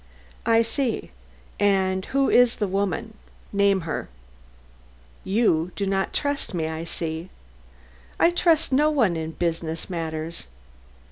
"I see and who is the woman? Name her." "You do not trust me, I see." "I trust no one in business matters."